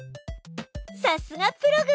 さすがプログ！